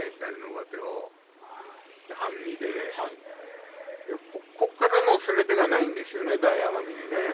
そして半身で、ここからの攻め手がないんですよね、大奄美に。